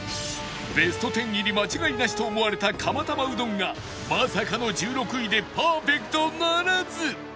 ベスト１０入り間違いなしと思われた釜玉うどんがまさかの１６位でパーフェクトならず